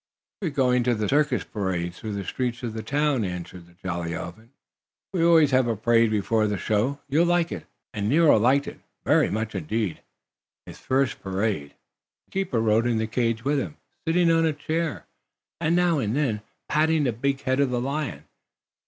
"We are going in the circus parade, through the streets of the town," answered the jolly elephant. "We always have a parade before the show. You'll like it." And Nero liked, very much indeed, his first parade. His keeper rode in the cage with him, sitting on a chair, and now and then patting the big head of the lion.